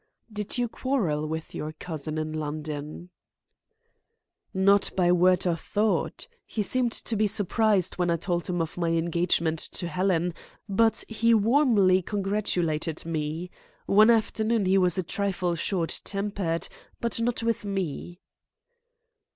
"Did you quarrel with your cousin in London?" "Not by word or thought. He seemed to be surprised when I told him of my engagement to Helen, but he warmly congratulated me. One afternoon he was a trifle short tempered, but not with me."